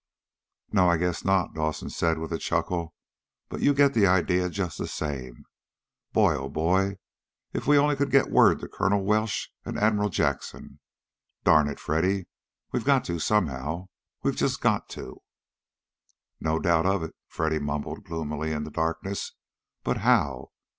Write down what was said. "No, I guess not," Dawson said with a chuckle. "But you get the idea just the same. But, boy, oh boy! If we only could get word to Colonel Welsh and Admiral Jackson. Darn it, Freddy! We've got to, somehow. We've just got to!" "No doubt of it," Freddy mumbled gloomily in the darkness. "But how?